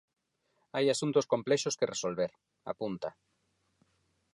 Hai asuntos complexos que resolver, apunta.